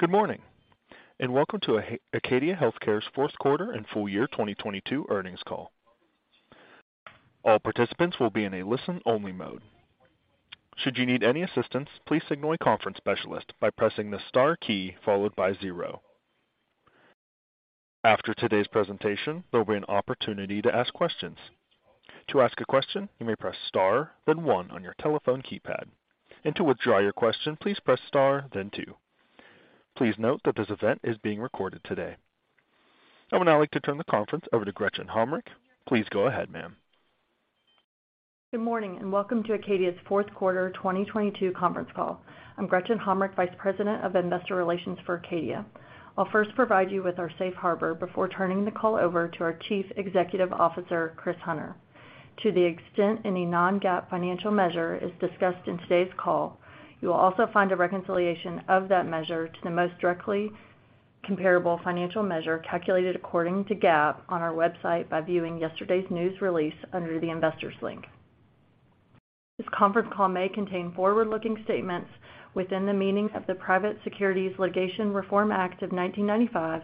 Good morning, welcome to Acadia Healthcare's Fourth Quarter and Full-Year 2022 Earnings Call. All participants will be in a listen-only mode. Should you need any assistance, please signal a conference specialist by pressing the star key followed by zero. After today's presentation, there'll be an opportunity to ask questions. To ask a question, you may press star, then one on your telephone keypad. To withdraw your question, please press star then two. Please note that this event is being recorded today. I would now like to turn the conference over to Gretchen Hommrich. Please go ahead, ma'am. Good morning, welcome to Acadia's fourth quarter 2022 conference call. I'm Gretchen Hommrich, Vice President of Investor Relations for Acadia. I'll first provide you with our safe harbor before turning the call over to our Chief Executive Officer, Chris Hunter. To the extent any non-GAAP financial measure is discussed in today's call, you will also find a reconciliation of that measure to the most directly comparable financial measure calculated according to GAAP on our website by viewing yesterday's news release under the Investors link. This conference call may contain forward-looking statements within the meaning of the Private Securities Litigation Reform Act of 1995,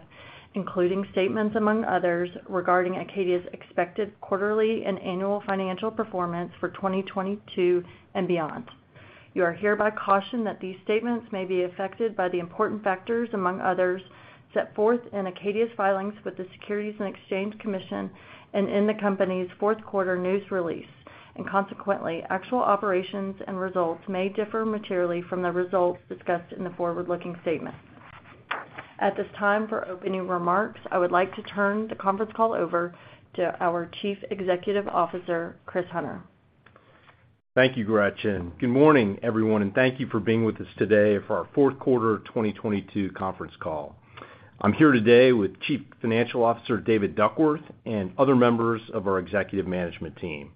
including statements, among others, regarding Acadia's expected quarterly and annual financial performance for 2022 and beyond. You are hereby cautioned that these statements may be affected by the important factors, among others, set forth in Acadia's filings with the Securities and Exchange Commission and in the company's fourth quarter news release. Consequently, actual operations and results may differ materially from the results discussed in the forward-looking statements. At this time, for opening remarks, I would like to turn the conference call over to our Chief Executive Officer, Chris Hunter. Thank you, Gretchen. Good morning, everyone, and thank you for being with us today for our fourth quarter 2022 conference call. I'm here today with Chief Financial Officer, David Duckworth, and other members of our executive management team.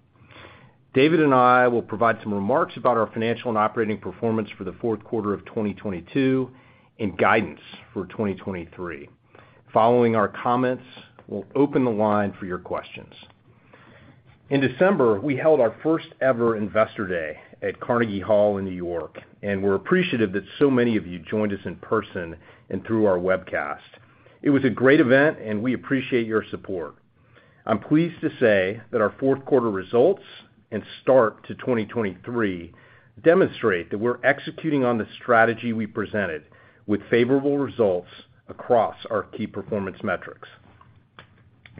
David and I will provide some remarks about our financial and operating performance for the fourth quarter of 2022 and guidance for 2023. Following our comments, we'll open the line for your questions. In December, we held our first ever Investor Day at Carnegie Hall in New York. We're appreciative that so many of you joined us in person and through our webcast. It was a great event. We appreciate your support. I'm pleased to say that our fourth quarter results and start to 2023 demonstrate that we're executing on the strategy we presented with favorable results across our key performance metrics.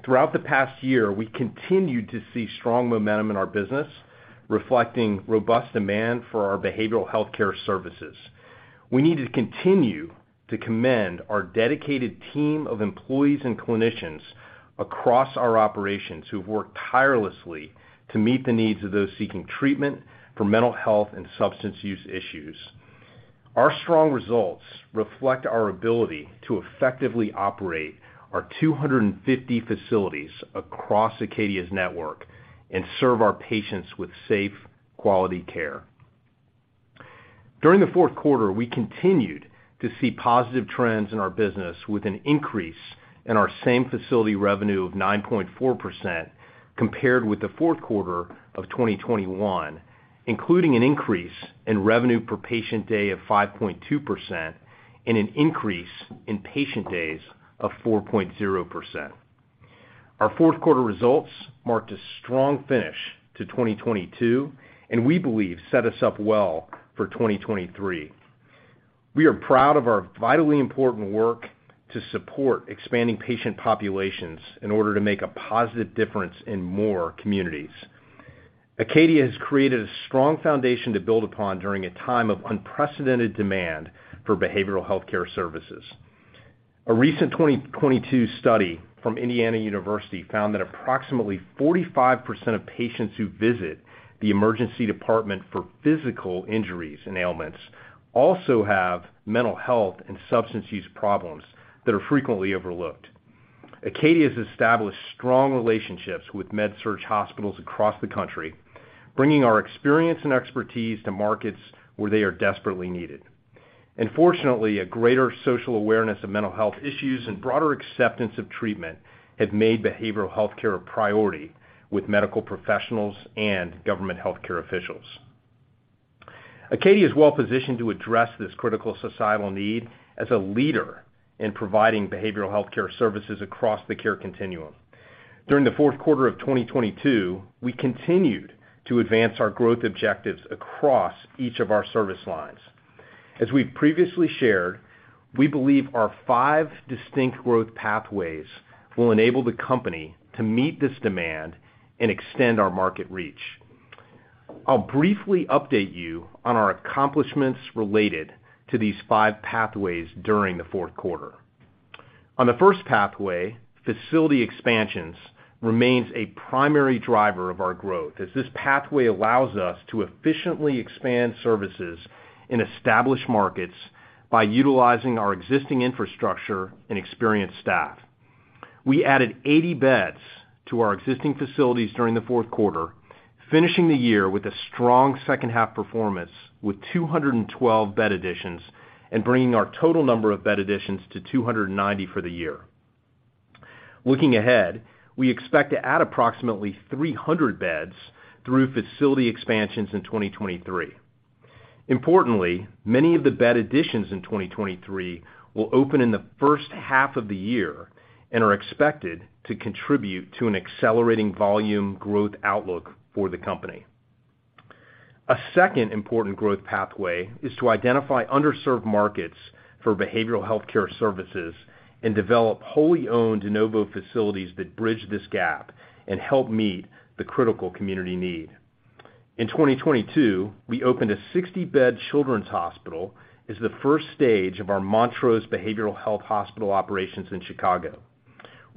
Throughout the past year, we continued to see strong momentum in our business, reflecting robust demand for our behavioral healthcare services. We need to continue to commend our dedicated team of employees and clinicians across our operations who've worked tirelessly to meet the needs of those seeking treatment for mental health and substance use issues. Our strong results reflect our ability to effectively operate our 250 facilities across Acadia's network and serve our patients with safe, quality care. During the fourth quarter, we continued to see positive trends in our business with an increase in our same-facility revenue of 9.4% compared with the fourth quarter of 2021, including an increase in revenue per patient day of 5.2% and an increase in patient days of 4.0%. Our fourth quarter results marked a strong finish to 2022 and we believe set us up well for 2023. We are proud of our vitally important work to support expanding patient populations in order to make a positive difference in more communities. Acadia has created a strong foundation to build upon during a time of unprecedented demand for behavioral healthcare services. A recent 2022 study from Indiana University found that approximately 45% of patients who visit the emergency department for physical injuries and ailments also have mental health and substance use problems that are frequently overlooked. Acadia has established strong relationships with med-surg hospitals across the country, bringing our experience and expertise to markets where they are desperately needed. Fortunately, a greater social awareness of mental health issues and broader acceptance of treatment have made behavioral healthcare a priority with medical professionals and government healthcare officials. Acadia is well positioned to address this critical societal need as a leader in providing behavioral healthcare services across the care continuum. During the fourth quarter of 2022, we continued to advance our growth objectives across each of our service lines. As we've previously shared, we believe our five distinct growth pathways will enable the company to meet this demand and extend our market reach. I'll briefly update you on our accomplishments related to these five pathways during the fourth quarter. On the first pathway, facility expansions remains a primary driver of our growth, as this pathway allows us to efficiently expand services in established markets by utilizing our existing infrastructure and experienced staff. We added 80 beds to our existing facilities during the fourth quarter, finishing the year with a strong second half performance with 212 bed additions and bringing our total number of bed additions to 290 for the year. Looking ahead, we expect to add approximately 300 beds through facility expansions in 2023. Importantly, many of the bed additions in 2023 will open in the first half of the year and are expected to contribute to an accelerating volume growth outlook for the company. A second important growth pathway is to identify underserved markets for behavioral healthcare services and develop wholly owned De Novo facilities that bridge this gap and help meet the critical community need. In 2022, we opened a 60-bed children's hospital as the first stage of our Montrose Behavioral Health Hospital operations in Chicago.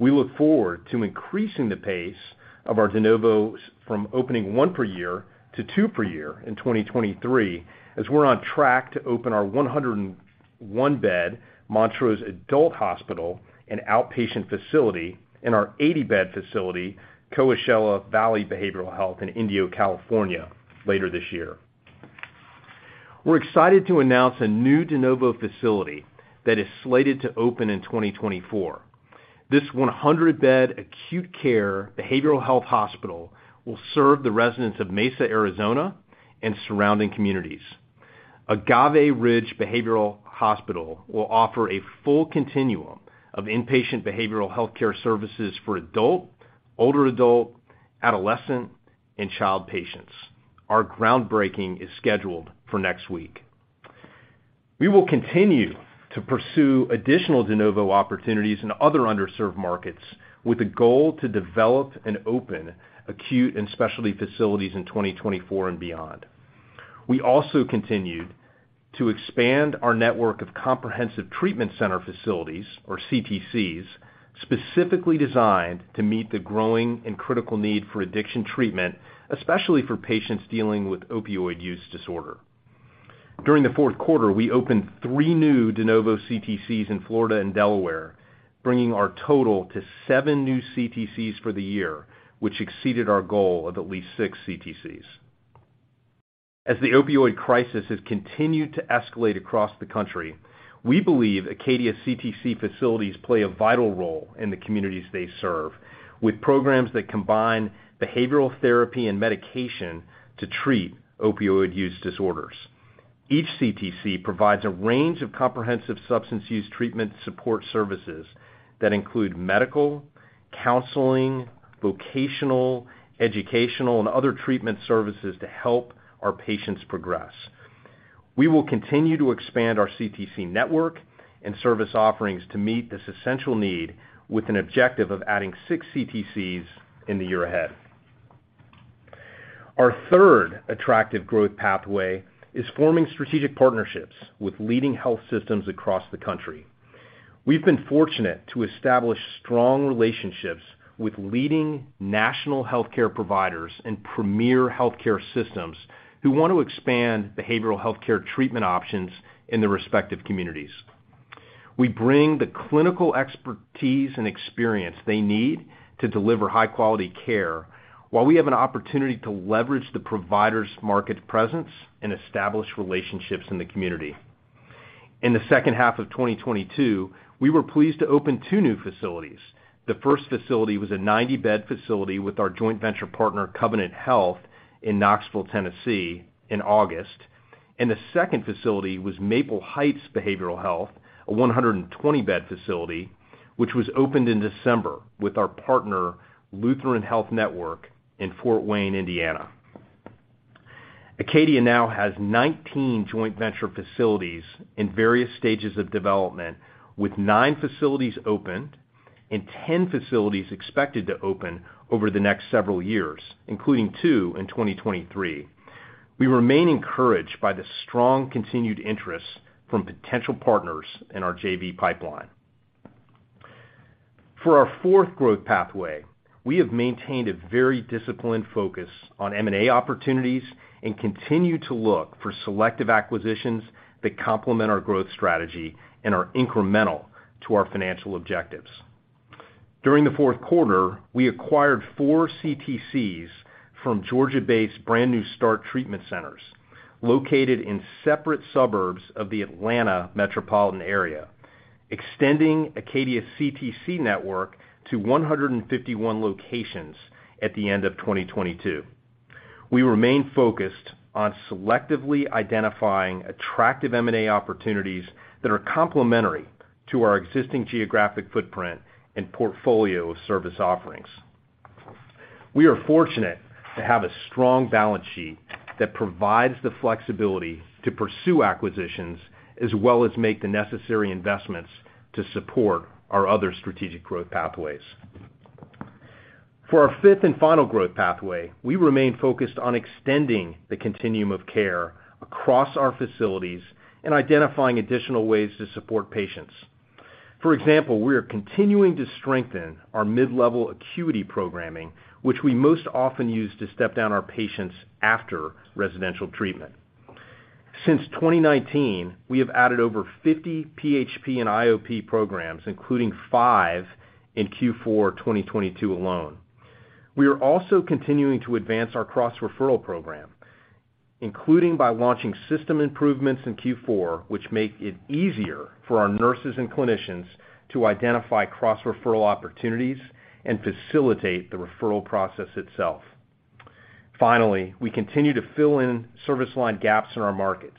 We look forward to increasing the pace of our De Novos from opening one per year to two per year in 2023, as we're on track to open our 101-bed Montrose Adult Hospital and outpatient facility in our 80-bed facility, Coachella Valley Behavioral Health in Indio, California, later this year. We're excited to announce a new De Novo facility that is slated to open in 2024. This 100-bed acute care behavioral health hospital will serve the residents of Mesa, Arizona, and surrounding communities. Agave Ridge Behavioral Hospital will offer a full continuum of inpatient behavioral healthcare services for adult, older adult, adolescent, and child patients. Our groundbreaking is scheduled for next week. We will continue to pursue additional De Novo opportunities in other underserved markets with a goal to develop and open acute and specialty facilities in 2024 and beyond. We also continued to expand our network of comprehensive treatment center facilities, or CTCs, specifically designed to meet the growing and critical need for addiction treatment, especially for patients dealing with Opioid Use Disorder. During the fourth quarter, we opened three new De Novo CTCs in Florida and Delaware, bringing our total to seven new CTCs for the year, which exceeded our goal of at least 6 CTCs. As the opioid crisis has continued to escalate across the country, we believe Acadia CTC facilities play a vital role in the communities they serve, with programs that combine behavioral therapy and medication to treat Opioid Use Disorders. Each CTC provides a range of comprehensive substance use treatment support services that include medical, counseling, vocational, educational, and other treatment services to help our patients progress. We will continue to expand our CTC network and service offerings to meet this essential need with an objective of adding 6 CTCs in the year ahead. Our third attractive growth pathway is forming strategic partnerships with leading health systems across the country. We've been fortunate to establish strong relationships with leading national healthcare providers and premier healthcare systems who want to expand behavioral healthcare treatment options in their respective communities. We bring the clinical expertise and experience they need to deliver high-quality care, while we have an opportunity to leverage the provider's market presence and establish relationships in the community. In the second half of 2022, we were pleased to open two new facilities. The first facility was a 90-bed facility with our joint venture partner, Covenant Health, in Knoxville, Tennessee, in August. The second facility was Maple Heights Behavioral Health, a 120-bed facility, which was opened in December with our partner, Lutheran Health Network, in Fort Wayne, Indiana. Acadia now has 19 joint venture facilities in various stages of development, with nine facilities opened and 10 facilities expected to open over the next several years, including two in 2023. We remain encouraged by the strong continued interest from potential partners in our JV pipeline. For our fourth growth pathway, we have maintained a very disciplined focus on M&A opportunities and continue to look for selective acquisitions that complement our growth strategy and are incremental to our financial objectives. During the fourth quarter, we acquired 4 CTCs from Brand New Start Treatment Centers located in separate suburbs of the Atlanta metropolitan area, extending Acadia's CTC network to 151 locations at the end of 2022. We remain focused on selectively identifying attractive M&A opportunities that are complementary to our existing geographic footprint and portfolio of service offerings. We are fortunate to have a strong balance sheet that provides the flexibility to pursue acquisitions as well as make the necessary investments to support our other strategic growth pathways. For our fifth and final growth pathway, we remain focused on extending the continuum of care across our facilities and identifying additional ways to support patients. For example, we are continuing to strengthen our mid-level acuity programming, which we most often use to step down our patients after residential treatment. Since 2019, we have added over 50 PHP and IOP programs, including five in Q4 2022 alone. We are also continuing to advance our cross-referral program, including by launching system improvements in Q4, which make it easier for our nurses and clinicians to identify cross-referral opportunities and facilitate the referral process itself. Finally, we continue to fill in service line gaps in our markets.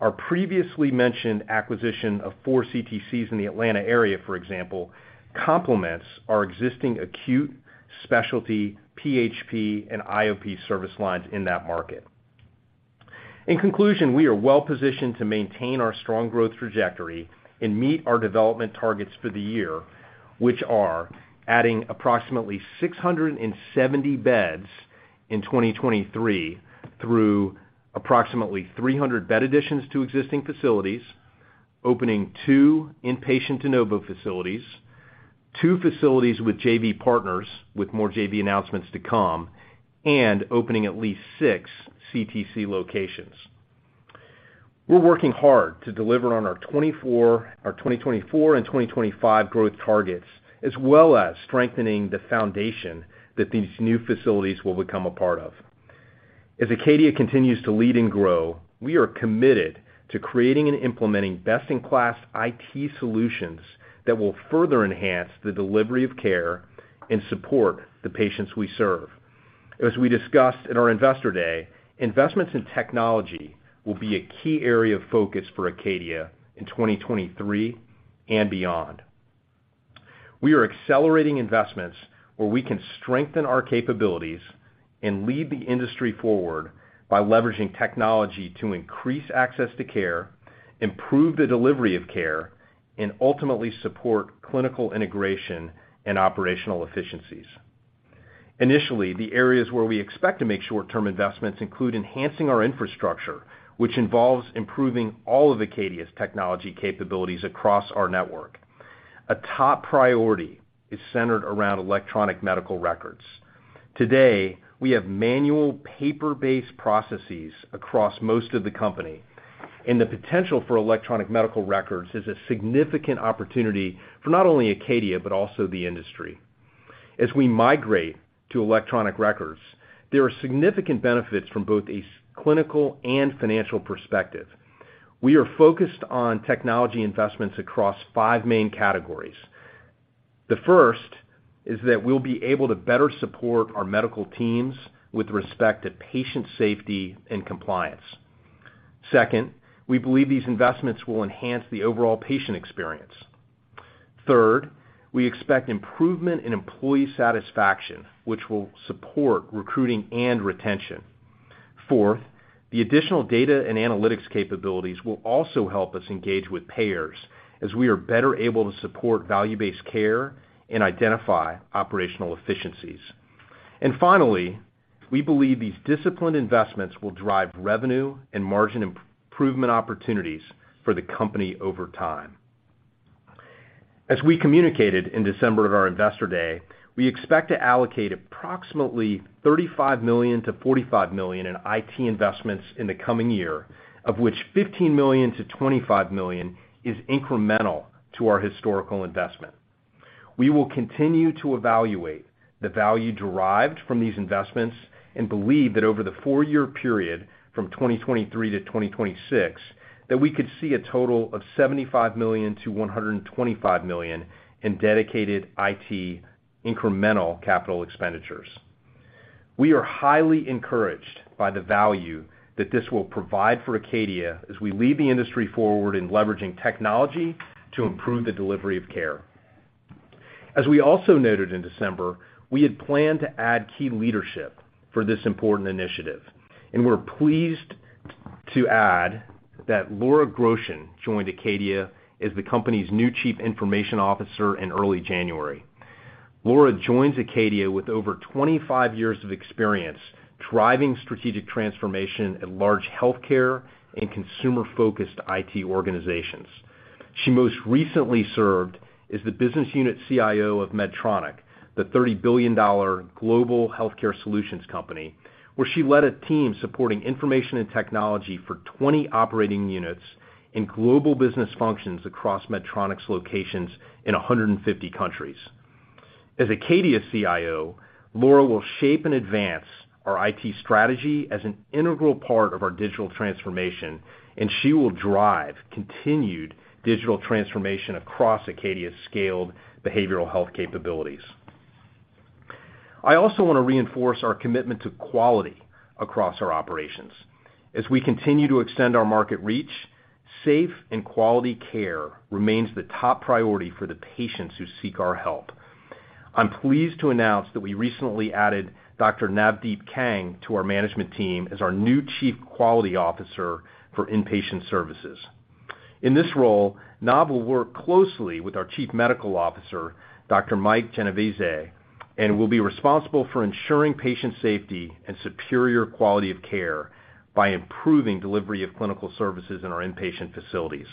Our previously mentioned acquisition of 4 CTCs in the Atlanta area, for example, complements our existing Acute Specialty PHP and IOP service lines in that market. In conclusion, we are well-positioned to maintain our strong growth trajectory and meet our development targets for the year, which are adding approximately 670 beds in 2023 through approximately 300 bed additions to existing facilities, opening two inpatient De Novo facilities, two facilities with JV partners with more JV announcements to come, and opening at least 6 CTC locations. We're working hard to deliver on our 2024 and 2025 growth targets, as well as strengthening the foundation that these new facilities will become a part of. As Acadia continues to lead and grow, we are committed to creating and implementing best-in-class IT solutions that will further enhance the delivery of care and support the patients we serve. As we discussed in our Investor Day, investments in technology will be a key area of focus for Acadia in 2023 and beyond. We are accelerating investments where we can strengthen our capabilities and lead the industry forward by leveraging technology to increase access to care, improve the delivery of care, and ultimately support clinical integration and operational efficiencies. Initially, the areas where we expect to make short-term investments include enhancing our infrastructure, which involves improving all of Acadia's technology capabilities across our network. A top priority is centered around electronic medical records. Today, we have manual paper-based processes across most of the company, and the potential for electronic medical records is a significant opportunity for not only Acadia, but also the industry. As we migrate to electronic records, there are significant benefits from both a clinical and financial perspective. We are focused on technology investments across five main categories. The first is that we'll be able to better support our medical teams with respect to patient safety and compliance. Second, we believe these investments will enhance the overall patient experience. Third, we expect improvement in employee satisfaction, which will support recruiting and retention. Fourth, the additional data and analytics capabilities will also help us engage with payers as we are better able to support value-based care and identify operational efficiencies. Finally, we believe these disciplined investments will drive revenue and margin improvement opportunities for the company over time. As we communicated in December at our Investor Day, we expect to allocate approximately $35 million-$45 million in IT investments in the coming year, of which $15 million-$25 million is incremental to our historical investment. We will continue to evaluate the value derived from these investments and believe that over the four-year period from 2023 to 2026, that we could see a total of $75 million-$125 million in dedicated IT incremental capital expenditures. We are highly encouraged by the value that this will provide for Acadia as we lead the industry forward in leveraging technology to improve the delivery of care. We also noted in December, we had planned to add key leadership for this important initiative, and we're pleased to add that Laura Groshon joined Acadia as the company's new Chief Information Officer in early January. Laura joins Acadia with over 25 years of experience driving strategic transformation at large healthcare and consumer-focused IT organizations. She most recently served as the business unit CIO of Medtronic, the $30 billion global healthcare solutions company, where she led a team supporting information and technology for 20 operating units and global business functions across Medtronic's locations in 150 countries. As Acadia CIO, Laura will shape and advance our IT strategy as an integral part of our digital transformation. She will drive continued digital transformation across Acadia's scaled behavioral health capabilities. I also wanna reinforce our commitment to quality across our operations. As we continue to extend our market reach, safe and quality care remains the top priority for the patients who seek our help. I'm pleased to announce that we recently added Dr. Navdeep Kang to our management team as our new Chief Quality Officer for inpatient services. In this role, Nav will work closely with our Chief Medical Officer, Dr. Mike Genovese will be responsible for ensuring patient safety and superior quality of care by improving delivery of clinical services in our inpatient facilities.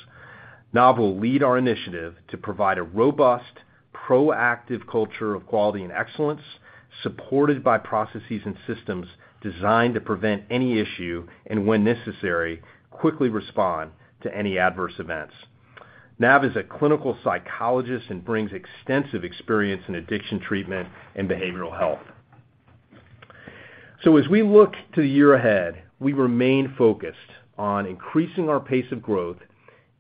Nav will lead our initiative to provide a robust, proactive culture of quality and excellence, supported by processes and systems designed to prevent any issue and, when necessary, quickly respond to any adverse events. Nav is a clinical psychologist and brings extensive experience in addiction treatment and behavioral health. As we look to the year ahead, we remain focused on increasing our pace of growth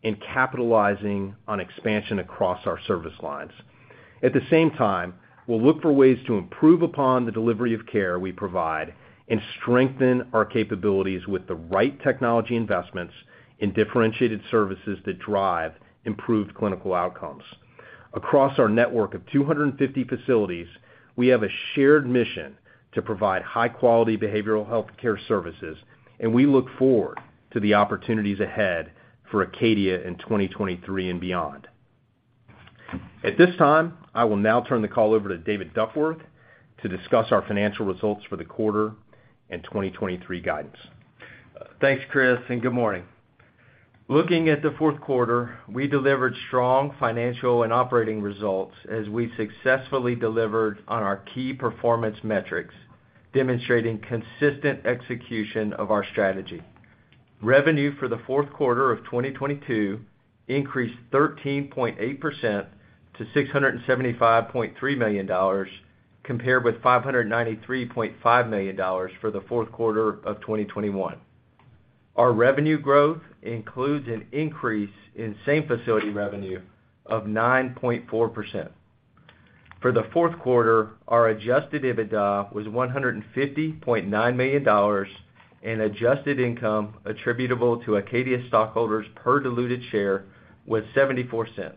and capitalizing on expansion across our service lines. At the same time, we'll look for ways to improve upon the delivery of care we provide and strengthen our capabilities with the right technology investments and differentiated services that drive improved clinical outcomes. Across our network of 250 facilities, we have a shared mission to provide high-quality behavioral health care services, and we look forward to the opportunities ahead for Acadia in 2023 and beyond. At this time, I will now turn the call over to David Duckworth to discuss our financial results for the quarter and 2023 guidance. Thanks, Chris. Good morning. Looking at the fourth quarter, we delivered strong financial and operating results as we successfully delivered on our key performance metrics, demonstrating consistent execution of our strategy. Revenue for the fourth quarter of 2022 increased 13.8% to $675.3 million compared with $593.5 million for the fourth quarter of 2021. Our revenue growth includes an increase in same-facility revenue of 9.4%. For the fourth quarter, our adjusted EBITDA was $150.9 million, and adjusted income attributable to Acadia stockholders per diluted share was $0.74,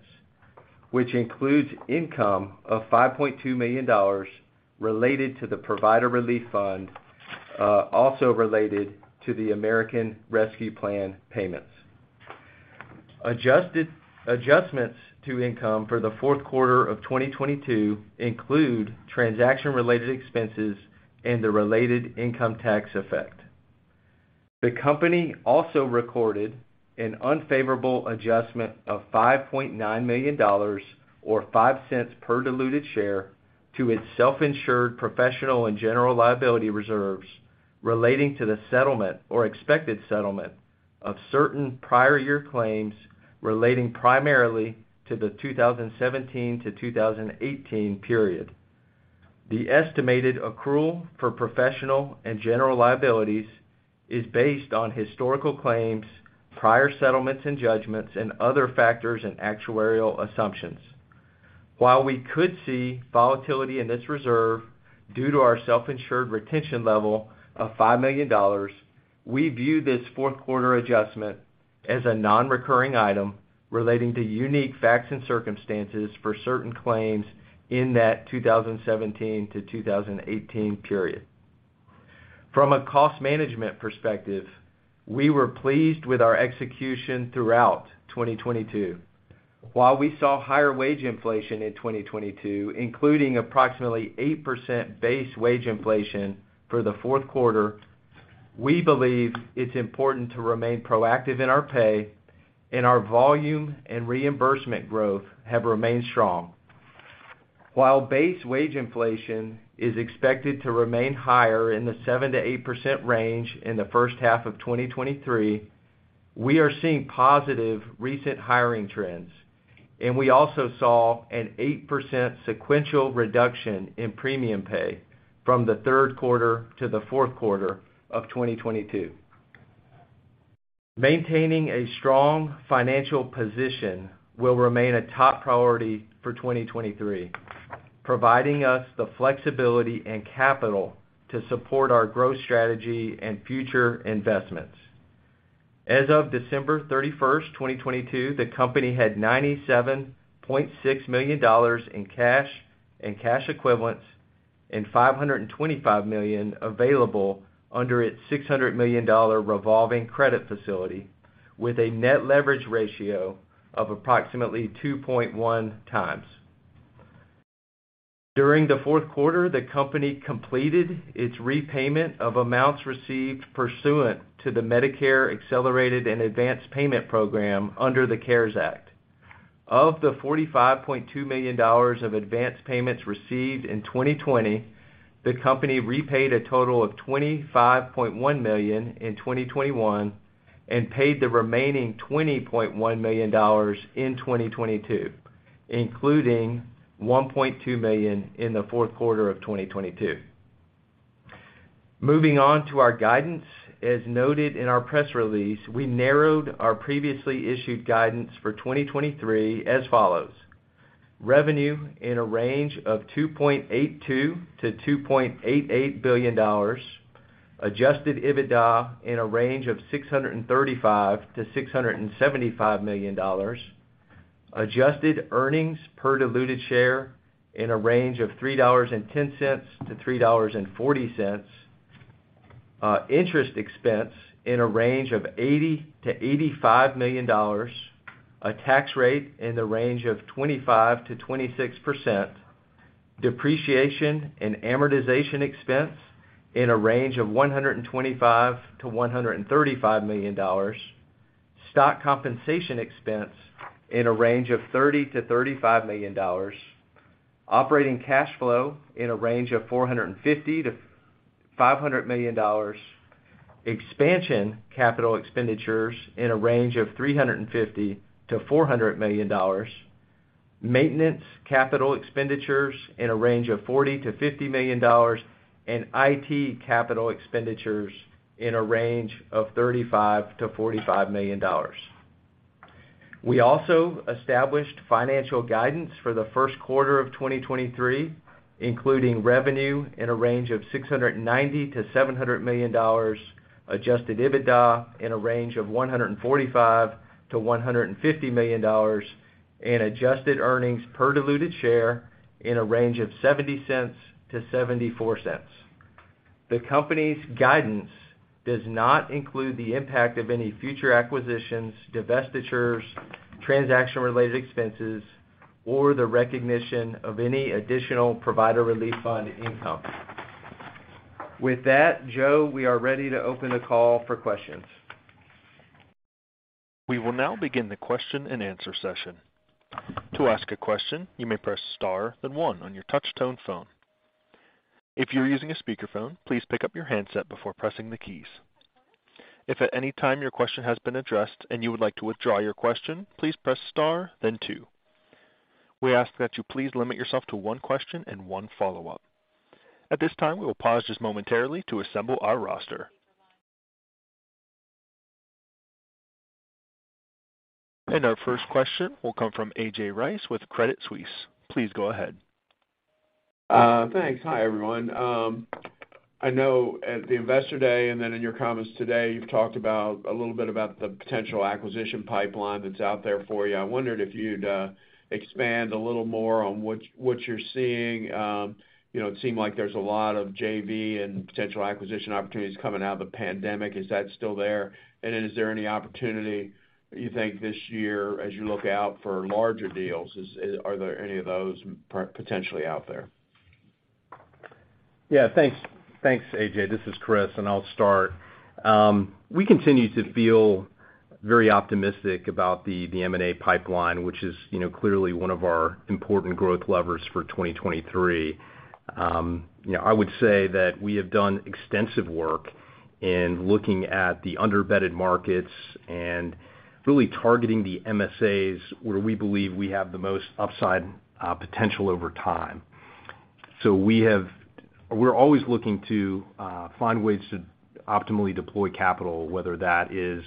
which includes income of $5.2 million related to the Provider Relief Fund, also related to the American Rescue Plan payments. Adjustments to income for the fourth quarter of 2022 include transaction-related expenses and the related income tax effect. The company also recorded an unfavorable adjustment of $5.9 million or $0.05 per diluted share to its self-insured professional and general liability reserves relating to the settlement or expected settlement of certain prior year claims relating primarily to the 2017-2018 period. The estimated accrual for professional and general liabilities is based on historical claims, prior settlements and judgments, and other factors and actuarial assumptions. While we could see volatility in this reserve due to our self-insured retention level of $5 million, we view this fourth quarter adjustment as a nonrecurring item relating to unique facts and circumstances for certain claims in that 2017-2018 period. From a cost management perspective, we were pleased with our execution throughout 2022. While we saw higher wage inflation in 2022, including approximately 8% base wage inflation for the fourth quarter, we believe it's important to remain proactive in our pay, and our volume and reimbursement growth have remained strong. While base wage inflation is expected to remain higher in the 7%-8% range in the first half of 2023, we are seeing positive recent hiring trends, and we also saw an 8% sequential reduction in premium pay from the third quarter to the fourth quarter of 2022. Maintaining a strong financial position will remain a top priority for 2023, providing us the flexibility and capital to support our growth strategy and future investments. As of December 31st, 2022, the company had $97.6 million in cash and cash equivalents and $525 million available under its $600 million revolving credit facility with a net leverage ratio of approximately 2.1 times. During the Q4, the company completed its repayment of amounts received pursuant to the Medicare Accelerated and Advanced Payment program under the CARES Act. Of the $45.2 million of advanced payments received in 2020, the company repaid a total of $25.1 million in 2021 and paid the remaining $20.1 million in 2022, including $1.2 million in the Q4 2022. Moving on to our guidance. As noted in our press release, we narrowed our previously issued guidance for 2023 as follows: Revenue in a range of $2.82 billion-$2.88 billion. Adjusted EBITDA in a range of $635 million-$675 million. Adjusted earnings per diluted share in a range of $3.10-$3.40. Interest expense in a range of $80 million-$85 million. A tax rate in the range of 25%-26%. Depreciation and amortization expense in a range of $125 million-$135 million. Stock compensation expense in a range of $30 million-$35 million. Operating cash flow in a range of $450 million-$500 million. Expansion capital expenditures in a range of $350 million-$400 million. Maintenance capital expenditures in a range of $40 million-$50 million. IT capital expenditures in a range of $35 million-$45 million. We also established financial guidance for the first quarter of 2023, including revenue in a range of $690 million-$700 million, adjusted EBITDA in a range of $145 million-$150 million, and adjusted earnings per diluted share in a range of $0.70-$0.74. The company's guidance does not include the impact of any future acquisitions, divestitures, transaction-related expenses, or the recognition of any additional Provider Relief Fund income. With that, Joe, we are ready to open the call for questions. We will now begin the question-and-answer session. To ask a question, you may press star, then one on your touch-tone phone. If you're using a speakerphone, please pick up your handset before pressing the keys. If at any time your question has been addressed and you would like to withdraw your question, please press star then two. We ask that you please limit yourself to one question and one follow-up. At this time, we will pause just momentarily to assemble our roster. Our first question will come from A.J. Rice with Credit Suisse. Please go ahead. Thanks. Hi, everyone. I know at the Investor Day and in your comments today, you've talked a little bit about the potential acquisition pipeline that's out there for you. I wondered if you'd expand a little more on what you're seeing. You know, it seemed like there's a lot of JV and potential acquisition opportunities coming out of the pandemic. Is that still there? Is there any opportunity that you think this year as you look out for larger deals, are there any of those potentially out there? Yeah, thanks. Thanks, A.J. This is Chris. I'll start. We continue to feel very optimistic about the M&A pipeline, which is, you know, clearly one of our important growth levers for 2023. You know, I would say that we have done extensive work in looking at the under-bedded markets and really targeting the MSAs where we believe we have the most upside potential over time. We're always looking to find ways to optimally deploy capital, whether that is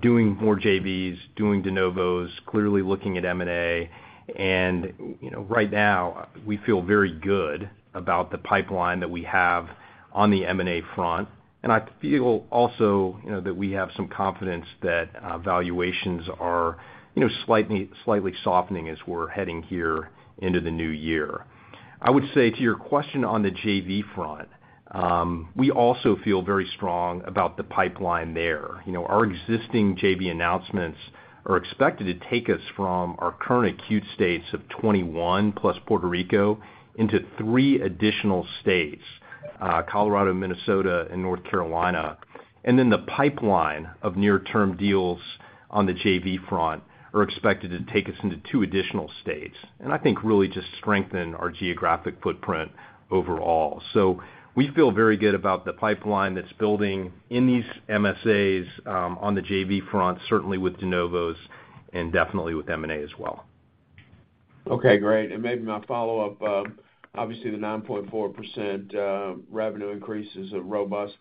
doing more JVs, doing De Novos, clearly looking at M&A. You know, right now we feel very good about the pipeline that we have on the M&A front. I feel also, you know, that we have some confidence that valuations are, you know, slightly softening as we're heading here into the new year. I would say to your question on the JV front, we also feel very strong about the pipeline there. You know, our existing JV announcements are expected to take us from our current acute states of 21 plus Puerto Rico into three additional states, Colorado, Minnesota, and North Carolina. The pipeline of near-term deals on the JV front are expected to take us into two additional states, and I think really just strengthen our geographic footprint overall. We feel very good about the pipeline that's building in these MSAs, on the JV front, certainly with De Novos and definitely with M&A as well. Okay, great. Maybe my follow-up, obviously the 9.4% revenue increase is a robust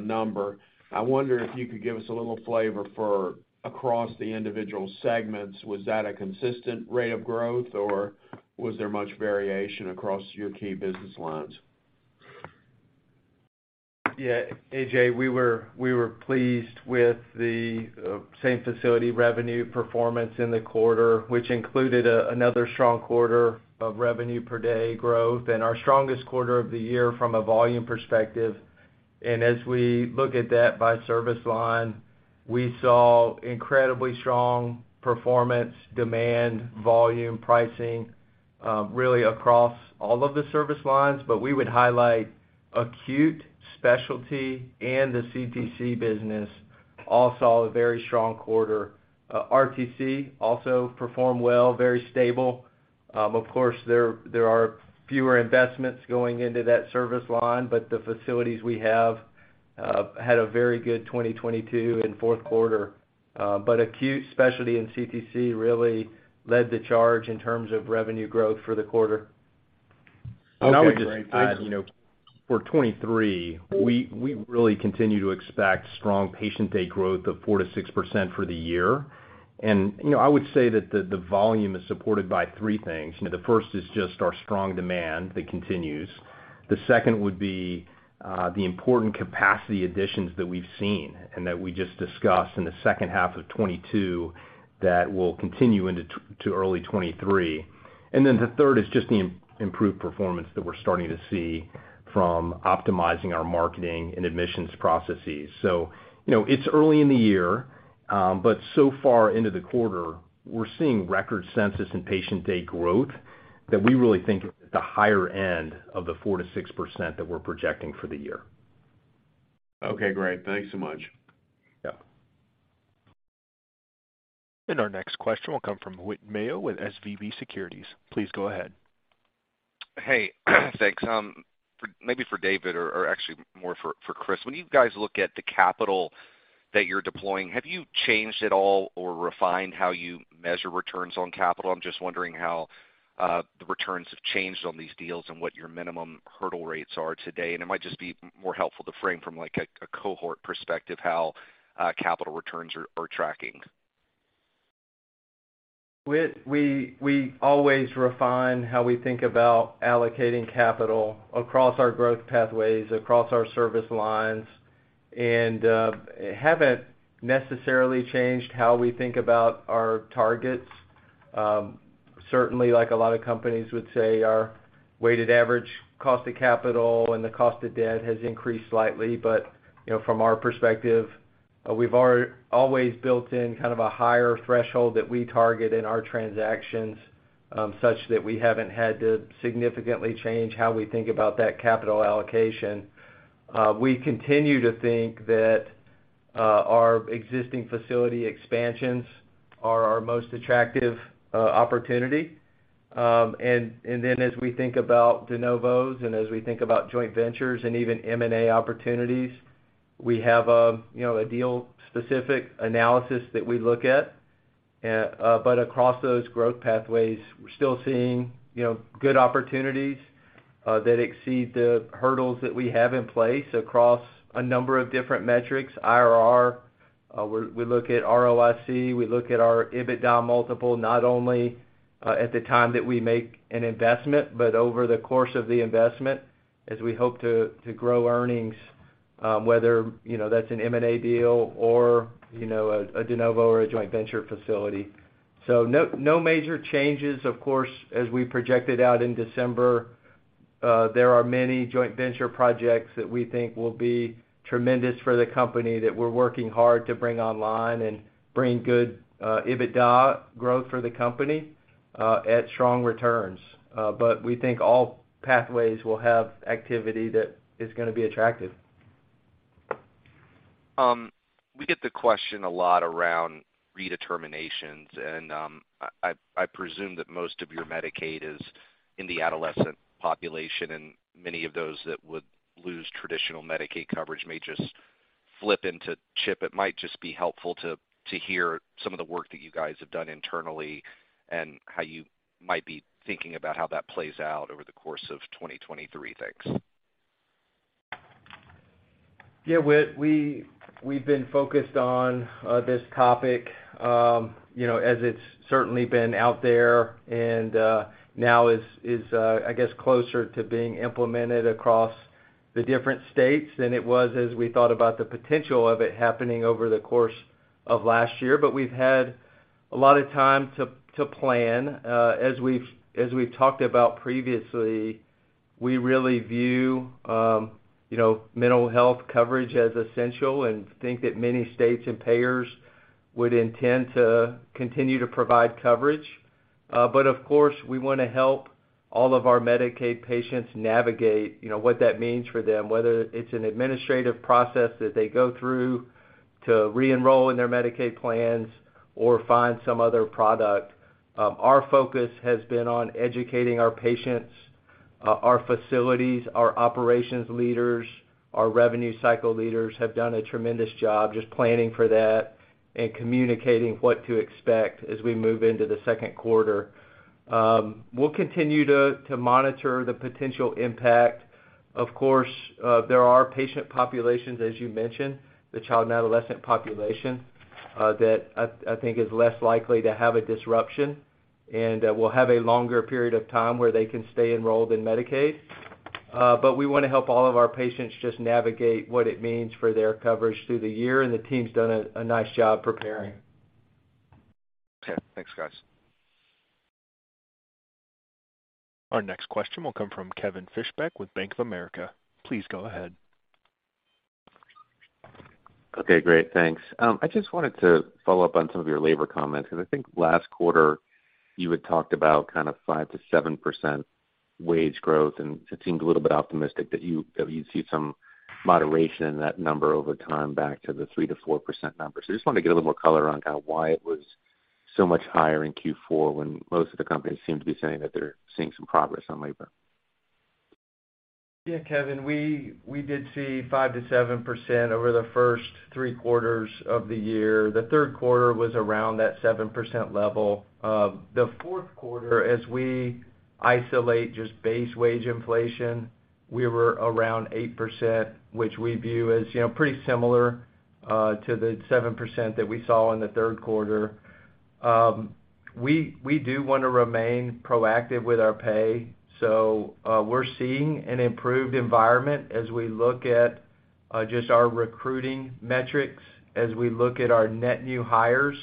number. I wonder if you could give us a little flavor for across the individual segments, was that a consistent rate of growth, or was there much variation across your key business lines? Yeah, A.J., we were pleased with the same-facility revenue performance in the quarter, which included another strong quarter of revenue per day growth and our strongest quarter of the year from a volume perspective. As we look at that by service line, we saw incredibly strong performance, demand, volume, pricing, really across all of the service lines. We would highlight acute, specialty, and the CTC business all saw a very strong quarter. RTC also performed well, very stable. Of course, there are fewer investments going into that service line, but the facilities we have had a very good 2022 and fourth quarter. Acute, specialty, and CTC really led the charge in terms of revenue growth for the quarter. Okay, great. Thanks. I would just add, you know, for 2023, we really continue to expect strong patient day growth of 4%-6% for the year. I would say that the volume is supported by three things. You know, the first is just our strong demand that continues. The second would be the important capacity additions that we've seen and that we just discussed in the second half of 2022 that will continue to early 2023. The third is just the improved performance that we're starting to see from optimizing our marketing and admissions processes. It's early in the year, but so far into the quarter, we're seeing record census and patient day growth that we really think is at the higher end of the 4%-6% that we're projecting for the year. Okay, great. Thanks so much. Yeah. Our next question will come from Whit Mayo with SVB Securities. Please go ahead. Hey. Thanks. Maybe for David or actually more for Chris. When you guys look at the capital that you're deploying, have you changed at all or refined how you measure returns on capital? I'm just wondering how the returns have changed on these deals and what your minimum hurdle rates are today. It might just be more helpful to frame from, like, a cohort perspective how capital returns are tracking. Whit Mayo, we always refine how we think about allocating capital across our growth pathways, across our service lines, and haven't necessarily changed how we think about our targets. Certainly, like a lot of companies would say, our weighted average cost of capital and the cost of debt has increased slightly. You know, from our perspective, we've always built in kind of a higher threshold that we target in our transactions, such that we haven't had to significantly change how we think about that capital allocation. We continue to think that our existing facility expansions are our most attractive opportunity. And then as we think about De Novos and as we think about joint ventures and even M&A opportunities, we have a, you know, a deal-specific analysis that we look at. Across those growth pathways, we're still seeing, you know, good opportunities that exceed the hurdles that we have in place across a number of different metrics, IRR. We look at ROIC, we look at our EBITDA multiple, not only at the time that we make an investment, but over the course of the investment as we hope to grow earnings, whether, you know, that's an M&A deal or, you know, a De Novo or a joint venture facility. No, no major changes. Of course, as we projected out in December, there are many joint venture projects that we think will be tremendous for the company that we're working hard to bring online and bring good EBITDA growth for the company at strong returns. We think all pathways will have activity that is gonna be attractive. We get the question a lot around redeterminations, and I presume that most of your Medicaid is in the adolescent population, and many of those that would lose traditional Medicaid coverage may just flip into CHIP. It might just be helpful to hear some of the work that you guys have done internally and how you might be thinking about how that plays out over the course of 2023. Thanks. Yeah. Whit, we've been focused on this topic, you know, as it's certainly been out there and now is, I guess, closer to being implemented across the different states than it was as we thought about the potential of it happening over the course of last year. We've had a lot of time to plan. As we've talked about previously, we really view, you know, mental health coverage as essential and think that many states and payers would intend to continue to provide coverage. Of course, we wanna help all of our Medicaid patients navigate, you know, what that means for them, whether it's an administrative process that they go through to re-enroll in their Medicaid plans or find some other product. Our focus has been on educating our patients. Our facilities, our operations leaders, our revenue cycle leaders have done a tremendous job just planning for that and communicating what to expect as we move into the second quarter. We'll continue to monitor the potential impact. Of course, there are patient populations, as you mentioned, the child and adolescent population that I think is less likely to have a disruption and will have a longer period of time where they can stay enrolled in Medicaid. We wanna help all of our patients just navigate what it means for their coverage through the year, and the team's done a nice job preparing. Okay. Thanks, guys. Our next question will come from Kevin Fischbeck with Bank of America. Please go ahead. Okay, great. Thanks. I just wanted to follow up on some of your labor comments, I think last quarter you had talked about kind of 5%-7% wage growth, and it seemed a little bit optimistic that you'd see some moderation in that number over time back to the 3%-4% numbers. I just wanted to get a little more color on kind of why it was so much higher in Q4 when most of the companies seem to be saying that they're seeing some progress on labor. Yeah, Kevin. We did see 5%-7% over the first three quarters of the year. The third quarter was around that 7% level. The fourth quarter, as we isolate just base wage inflation, we were around 8%, which we view as, you know, pretty similar to the 7% that we saw in the third quarter. We do want to remain proactive with our pay, we're seeing an improved environment as we look at just our recruiting metrics, as we look at our net new hires,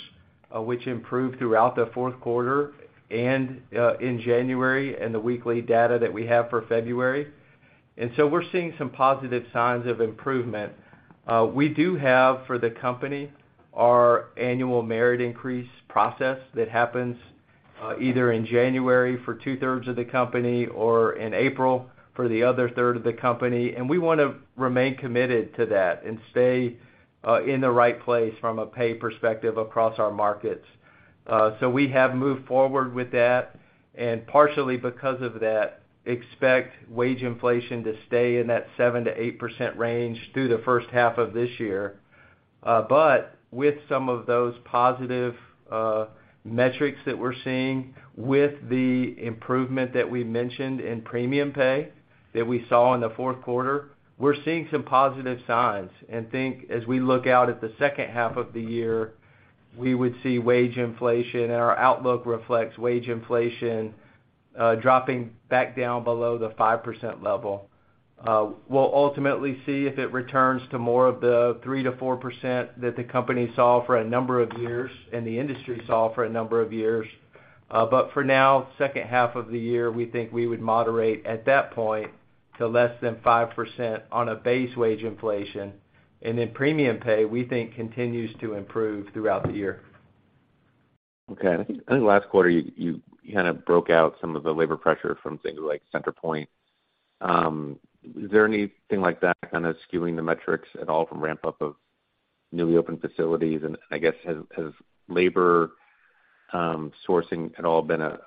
which improved throughout the fourth quarter and in January and the weekly data that we have for February. We're seeing some positive signs of improvement. We do have, for the company, our annual merit increase process that happens either in January for two-thirds of the company or in April for the other third of the company. We wanna remain committed to that and stay in the right place from a pay perspective across our markets. We have moved forward with that, and partially because of that, expect wage inflation to stay in that 7%-8% range through the first half of this year. With some of those positive metrics that we're seeing with the improvement that we mentioned in premium pay that we saw in the fourth quarter, we're seeing some positive signs. Think as we look out at the second half of the year, we would see wage inflation and our outlook reflects wage inflation, dropping back down below the 5% level. We'll ultimately see if it returns to more of the 3%-4% that the company saw for a number of years and the industry saw for a number of years. For now, second half of the year, we think we would moderate at that point to less than 5% on a base wage inflation. Premium pay, we think, continues to improve throughout the year. Okay. I think last quarter, you kind of broke out some of the labor pressure from things like CenterPointe. Is there anything like that kind of skewing the metrics at all from ramp up of newly opened facilities? I guess, has labor sourcing at all been a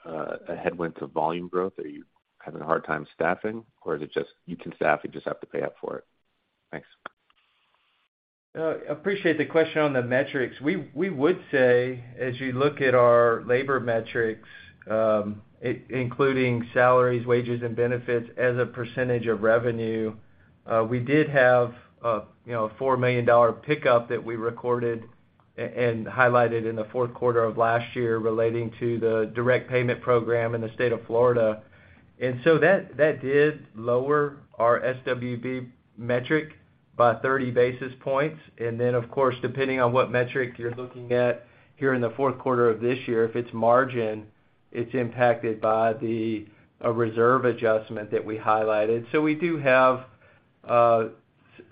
headwind to volume growth? Are you having a hard time staffing or is it just you can staff, you just have to pay up for it? Thanks. Appreciate the question on the metrics. We would say, as you look at our labor metrics, including salaries, wages, and benefits as a percentage of revenue, we did have, you know, a $4 million pickup that we recorded and highlighted in the fourth quarter of last year relating to the direct payment program in the state of Florida. That did lower our SWB metric by 30 basis points. Of course, depending on what metric you're looking at here in the fourth quarter of this year, if it's margin, it's impacted by the reserve adjustment that we highlighted. We do have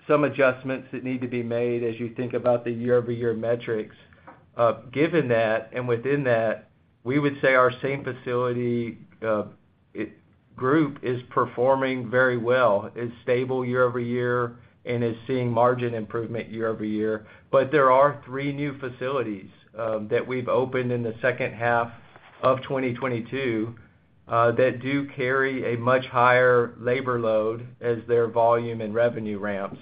some adjustments that need to be made as you think about the year-over-year metrics. Given that, and within that, we would say our same facility group is performing very well. It's stable year over year and is seeing margin improvement year over year. There are three new facilities that we've opened in the second half of 2022 that do carry a much higher labor load as their volume and revenue ramps.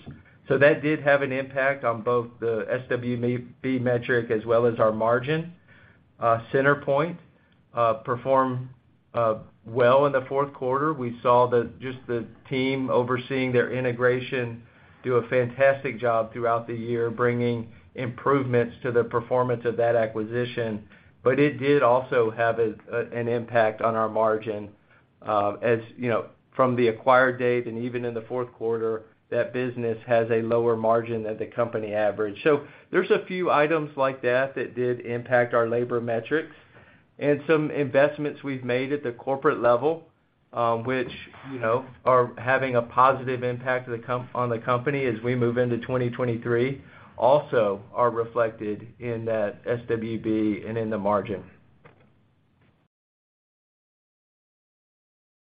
That did have an impact on both the SWB metric as well as our margin. CenterPointe performed well in the fourth quarter. We saw just the team overseeing their integration do a fantastic job throughout the year, bringing improvements to the performance of that acquisition. It did also have an impact on our margin, as, you know, from the acquired date and even in the fourth quarter, that business has a lower margin than the company average. There's a few items like that that did impact our labor metrics. Some investments we've made at the corporate level, which, you know, are having a positive impact on the company as we move into 2023, also are reflected in that SWB and in the margin.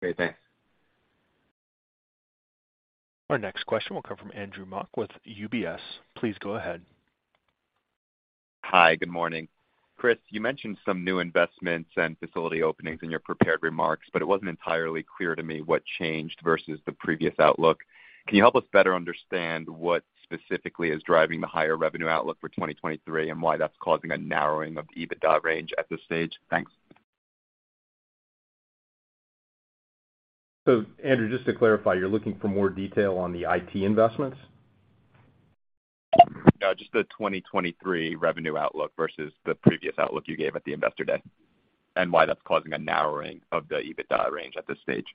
Great. Thanks. Our next question will come from Andrew Mok with UBS. Please go ahead. Hi. Good morning. Chris, you mentioned some new investments and facility openings in your prepared remarks, but it wasn't entirely clear to me what changed versus the previous outlook. Can you help us better understand what specifically is driving the higher revenue outlook for 2023 and why that's causing a narrowing of the EBITDA range at this stage? Thanks. Andrew, just to clarify, you're looking for more detail on the IT investments? No, just the 2023 revenue outlook versus the previous outlook you gave at the Investor Day, and why that's causing a narrowing of the EBITDA range at this stage?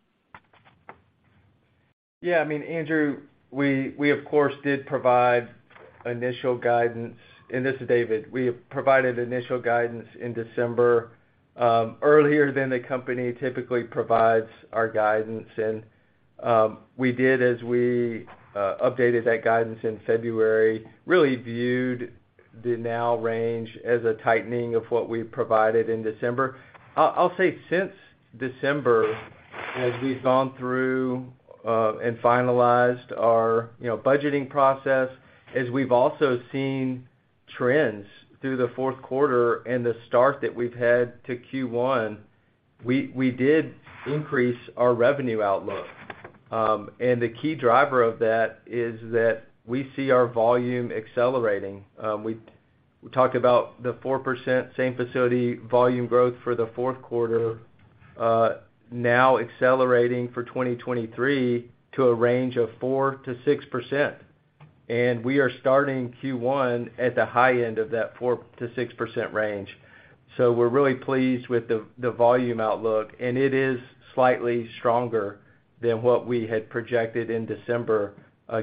I mean, Andrew, of course, did provide initial guidance. This is David. We have provided initial guidance in December, earlier than the company typically provides our guidance. We did as we updated that guidance in February, really viewed the now range as a tightening of what we provided in December. I'll say since December, as we've gone through and finalized our, you know, budgeting process, as we've also seen trends through the fourth quarter and the start that we've had to Q1, we did increase our revenue outlook. The key driver of that is that we see our volume accelerating. We talked about the 4% same facility volume growth for the fourth quarter, now accelerating for 2023 to a range of 4%-6%. We are starting Q1 at the high end of that 4%-6% range. We're really pleased with the volume outlook, and it is slightly stronger than what we had projected in December,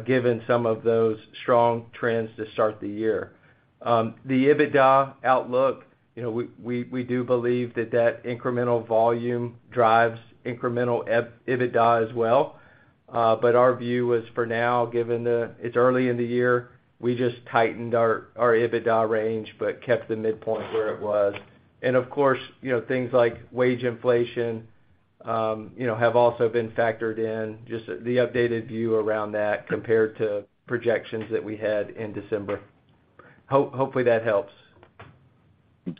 given some of those strong trends to start the year. The EBITDA outlook, you know, we do believe that that incremental volume drives incremental EBITDA as well. Our view was for now, given it's early in the year, we just tightened our EBITDA range, but kept the midpoint where it was. Of course, you know, things like wage inflation, you know, have also been factored in, just the updated view around that compared to projections that we had in December. Hopefully that helps.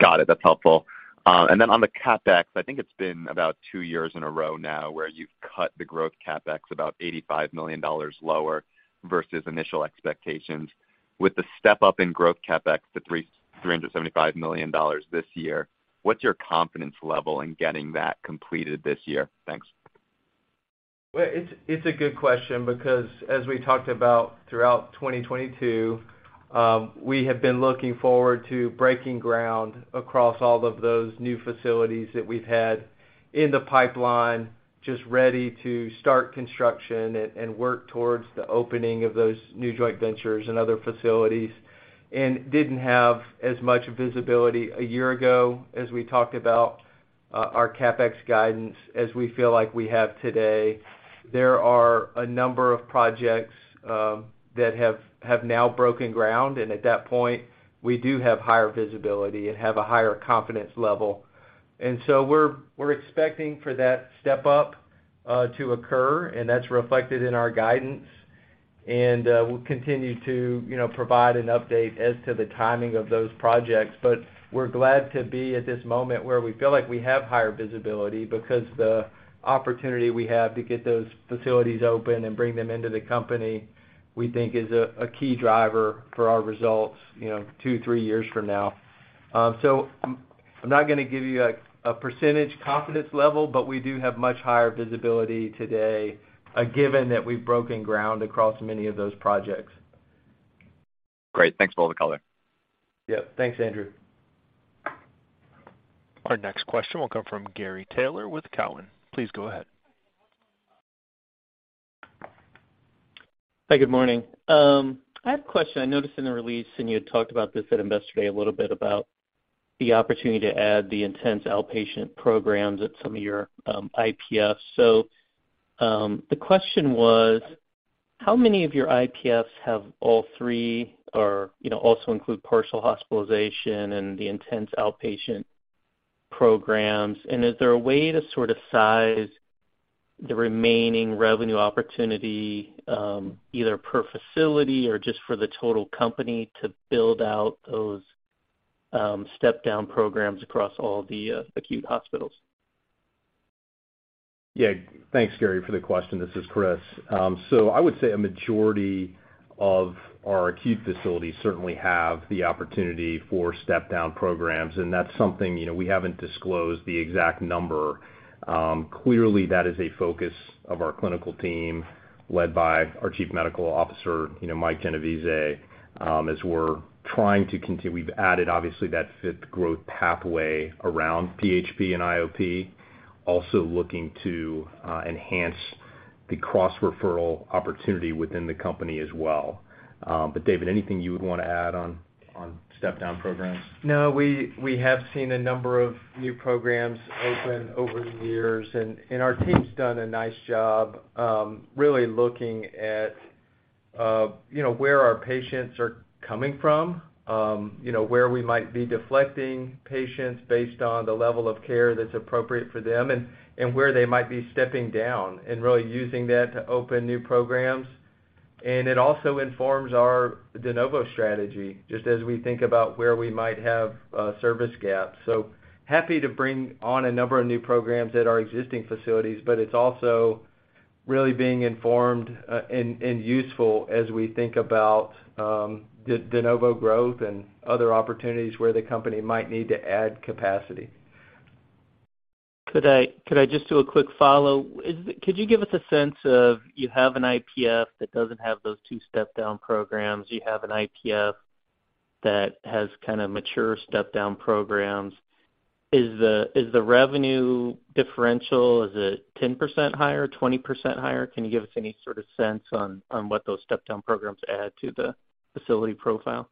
Got it. That's helpful. Then on the CapEx, I think it's been about two years in a row now where you've cut the growth CapEx about $85 million lower versus initial expectations. With the step-up in growth CapEx to $375 million this year, what's your confidence level in getting that completed this year? Thanks. Well, it's a good question because as we talked about throughout 2022, we have been looking forward to breaking ground across all of those new facilities that we've had in the pipeline, just ready to start construction and work towards the opening of those new joint ventures and other facilities, and didn't have as much visibility a year ago as we talked about our CapEx guidance as we feel like we have today. There are a number of projects that have now broken ground, and at that point, we do have higher visibility and have a higher confidence level. So we're expecting for that step up to occur, and that's reflected in our guidance. We'll continue to, you know, provide an update as to the timing of those projects. We're glad to be at this moment where we feel like we have higher visibility because the opportunity we have to get those facilities open and bring them into the company, we think is a key driver for our results, you know, two, three years from now. I'm not gonna give you a percentage confidence level, but we do have much higher visibility today, given that we've broken ground across many of those projects. Great. Thanks for all the color. Yeah. Thanks, Andrew. Our next question will come from Gary Taylor with Cowen. Please go ahead. Hi, good morning. I have a question. I noticed in the release, and you had talked about this at Investor Day a little bit about the opportunity to add the Intensive Outpatient Programs at some of your IPFs. The question was, how many of your IPFs have all three or, you know, also include partial hospitalization and the Intensive Outpatient Programs? Is there a way to sort of size the remaining revenue opportunity, either per facility or just for the total company to build out those step-down programs across all the acute hospitals? Thanks, Gary, for the question. This is Chris. I would say a majority of our acute facilities certainly have the opportunity for step-down programs, and that's something, you know, we haven't disclosed the exact number. Clearly that is a focus of our clinical team, led by our Chief Medical Officer, you know, Michael Genovese, as we're trying to continue. We've added obviously, that fifth growth pathway around PHP and IOP, also looking to enhance the cross-referral opportunity within the company as well. David, anything you would wanna add on step-down programs? No, we have seen a number of new programs open over the years, and our team's done a nice job, really looking at, you know, where our patients are coming from, you know, where we might be deflecting patients based on the level of care that's appropriate for them and where they might be stepping down and really using that to open new programs. It also informs our De Novo strategy, just as we think about where we might have service gaps. Happy to bring on a number of new programs at our existing facilities, but it's also really being informed and useful as we think about the De Novo growth and other opportunities where the company might need to add capacity. Could I just do a quick follow? Could you give us a sense of, you have an IPF that doesn't have those two step-down programs, you have an IPF that has kinda mature step-down programs. Is the revenue differential, is it 10% higher, 20% higher? Can you give us any sort of sense on what those step-down programs add to the facility profile?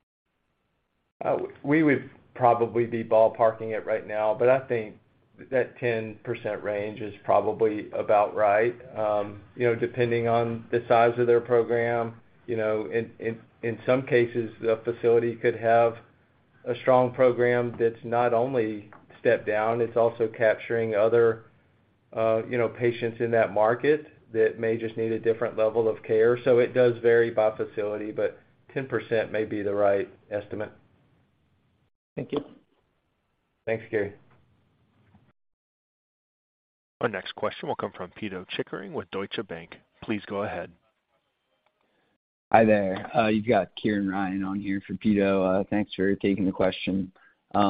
We would probably be ballparking it right now, but I think that 10% range is probably about right. You know, depending on the size of their program, you know, in, in some cases, the facility could have a strong program that's not only step down, it's also capturing other, you know, patients in that market that may just need a different level of care. It does vary by facility, but 10% may be the right estimate. Thank you. Thanks, Gary. Our next question will come from Pito Chickering with Deutsche Bank. Please go ahead. Hi there. You've got Kieran Ryan on here for Pito. Thanks for taking the question. I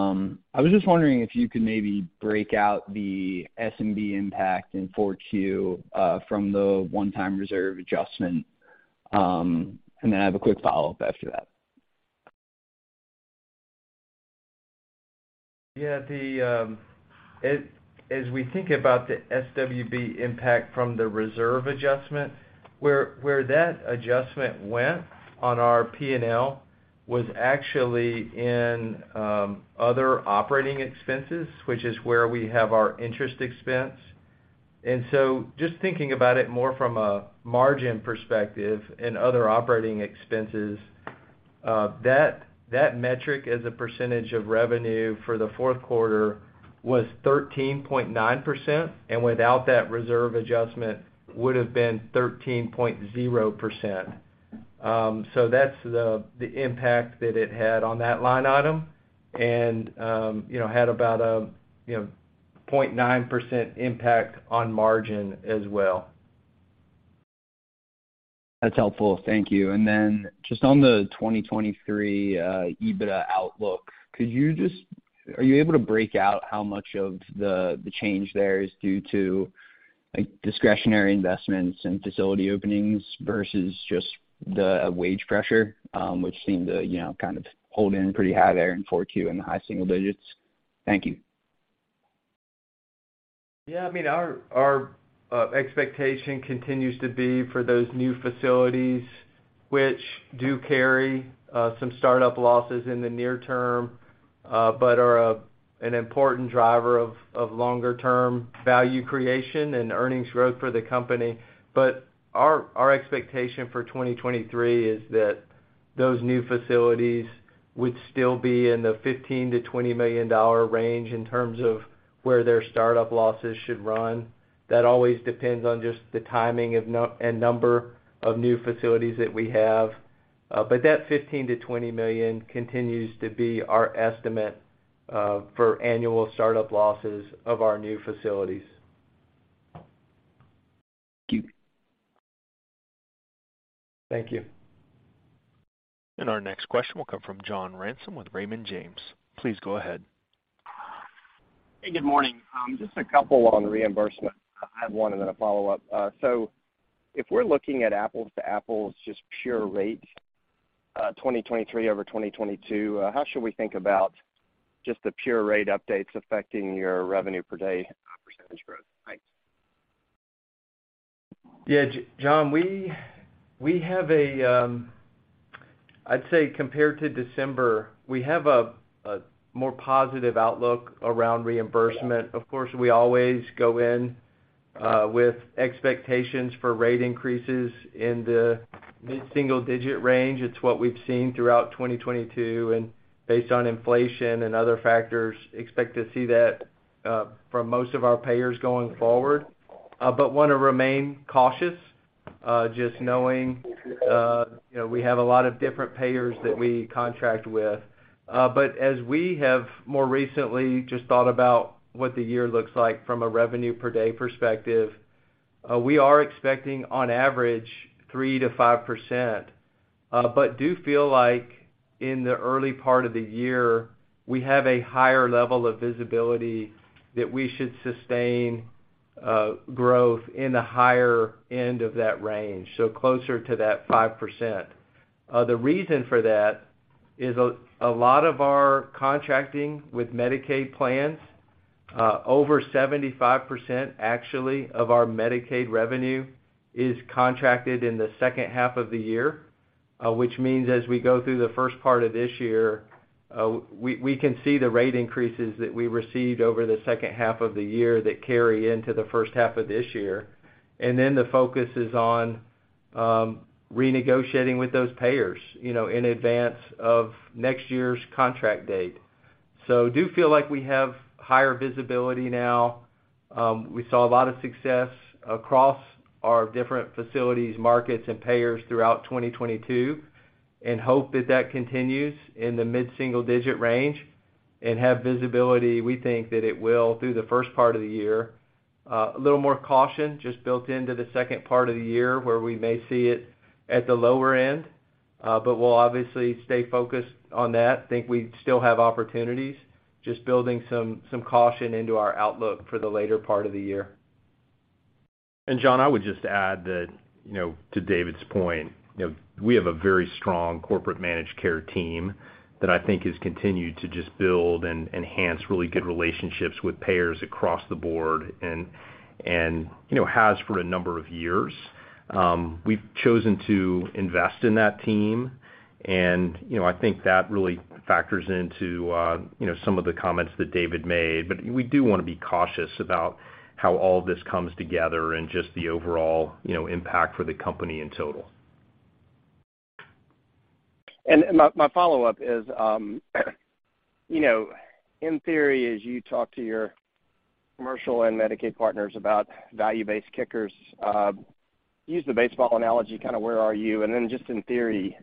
was just wondering if you could maybe break out the SBC impact in 4Q from the one-time reserve adjustment. I have a quick follow-up after that. As we think about the SWB impact from the reserve adjustment, where that adjustment went on our P&L was actually in other operating expenses, which is where we have our interest expense. Just thinking about it more from a margin perspective and other operating expenses, that metric as a percentage of revenue for the fourth quarter was 13.9%, and without that reserve adjustment would have been 13.0%. That's the impact that it had on that line item and, you know, had about a, you know, 0.9% impact on margin as well. That's helpful. Thank you. Then just on the 2023 EBITDA outlook, could you just break out how much of the change there is due to, like, discretionary investments and facility openings versus just the wage pressure, which seemed to, you know, kind of hold in pretty high there in 4Q in the high single digits? Thank you. Yeah. I mean, our expectation continues to be for those new facilities which do carry some startup losses in the near term, but are an important driver of longer-term value creation and earnings growth for the company. Our, our expectation for 2023 is that those new facilities would still be in the $15 million-$20 million range in terms of where their startup losses should run. That always depends on just the timing of and number of new facilities that we have. That $15 million-$20 million continues to be our estimate for annual startup losses of our new facilities. Thank you. Thank you. Our next question will come from John Ransom with Raymond James. Please go ahead. Good morning. Just a couple on reimbursement. I have one and then a follow-up. If we're looking at apples to apples, just pure rate, 2023 over 2022, how should we think about just the pure rate updates affecting your revenue per day percentage growth? Thanks. Yeah, John, we have a, I'd say compared to December, we have a more positive outlook around reimbursement. Of course, we always go in with expectations for rate increases in the mid-single digit range. It's what we've seen throughout 2022 and, based on inflation and other factors, expect to see that from most of our payers going forward. Wanna remain cautious, just knowing, you know, we have a lot of different payers that we contract with. As we have more recently just thought about what the year looks like from a revenue per day perspective, we are expecting on average 3%-5%. But do feel like in the early part of the year, we have a higher level of visibility that we should sustain growth in the higher end of that range, so closer to that 5%. The reason for that is a lot of our contracting with Medicaid plans, over 75% actually of our Medicaid revenue is contracted in the second half of the year. Which means as we go through the first part of this year, we can see the rate increases that we received over the second half of the year that carry into the first half of this year. The focus is on renegotiating with those payers, you know, in advance of next year's contract date. Do feel like we have higher visibility now. We saw a lot of success across our different facilities, markets, and payers throughout 2022, and hope that that continues in the mid-single digit range and have visibility. We think that it will through the first part of the year. A little more caution just built into the second part of the year where we may see it at the lower end, but we'll obviously stay focused on that. Think we still have opportunities, just building some caution into our outlook for the later part of the year. John, I would just add that, you know, to David's point, you know, we have a very strong corporate managed care team that I think has continued to just build and enhance really good relationships with payers across the board and, you know, has for a number of years. We've chosen to invest in that team and, you know, I think that really factors into, you know, some of the comments that David made. We do wanna be cautious about how all this comes together and just the overall, you know, impact for the company in total. My follow-up is, you know, in theory, as you talk to your commercial and Medicaid partners about value-based kickers, use the baseball analogy kind of where are you? Just in theory,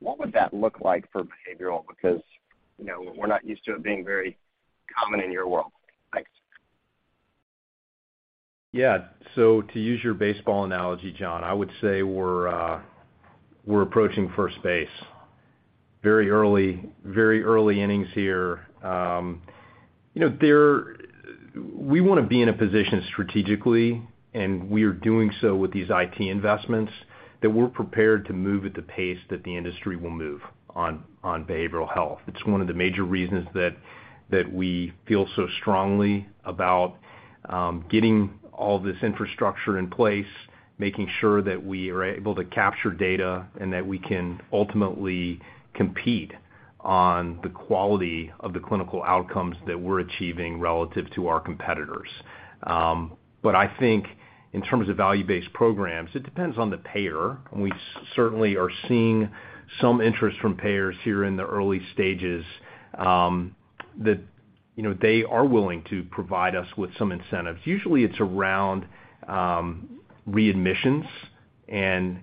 what would that look like for behavioral? Because, you know, we're not used to it being very common in your world. Thanks. To use your baseball analogy, John, I would say we're approaching first base. Very early, very early innings here. you know, we wanna be in a position strategically, and we are doing so with these IT investments, that we're prepared to move at the pace that the industry will move on behavioral health. It's one of the major reasons that we feel so strongly about getting all this infrastructure in place. Making sure that we are able to capture data and that we can ultimately compete on the quality of the clinical outcomes that we're achieving relative to our competitors. I think in terms of value-based programs, it depends on the payer. We certainly are seeing some interest from payers here in the early stages, that, you know, they are willing to provide us with some incentives. Usually it's around readmissions and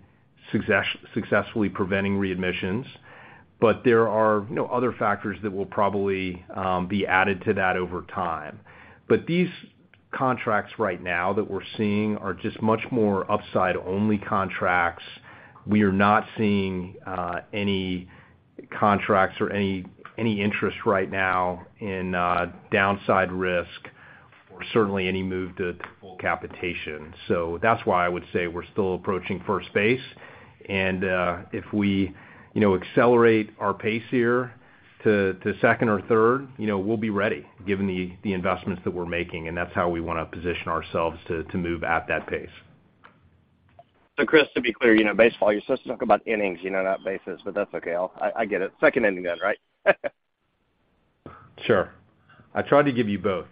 successfully preventing readmissions. There are, you know, other factors that will probably be added to that over time. These contracts right now that we're seeing are just much more upside-only contracts. We are not seeing any contracts or any interest right now in downside risk or certainly any move to full capitation. That's why I would say we're still approaching first base, and if we, you know, accelerate our pace here to second or third, you know, we'll be ready given the investments that we're making, and that's how we wanna position ourselves to move at that pace. Chris, to be clear, you know, baseball, you're supposed to talk about innings, you know, not bases, but that's okay. I get it. Second inning then, right? Sure. I tried to give you both.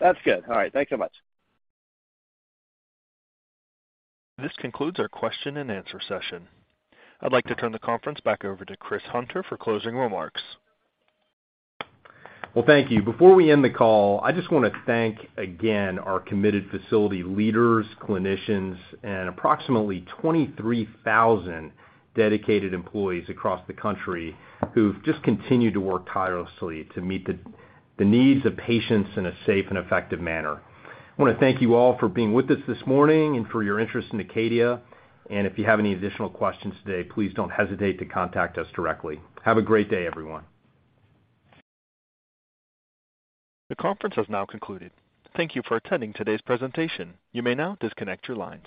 That's good. All right. Thanks so much. This concludes our question-and-answer session. I'd like to turn the conference back over to Chris Hunter for closing remarks. Well, thank you. Before we end the call, I just wanna thank again our committed facility leaders, clinicians, and approximately 23,000 dedicated employees across the country who've just continued to work tirelessly to meet the needs of patients in a safe and effective manner. I wanna thank you all for being with us this morning and for your interest in Acadia. If you have any additional questions today, please don't hesitate to contact us directly. Have a great day, everyone. The conference has now concluded. Thank you for attending today's presentation. You may now disconnect your lines.